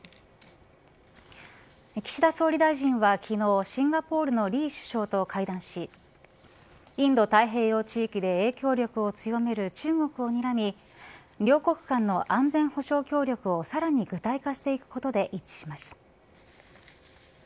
岸田総理大臣は昨日シンガポールのリー首相と会談しインド太平洋地域で影響力を強める中国をにらみ両国間の安全保障協力をさらに具体化していくことで一致しました。